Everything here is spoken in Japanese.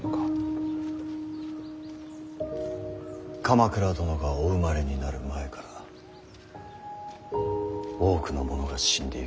鎌倉殿がお生まれになる前から多くの者が死んでゆきました。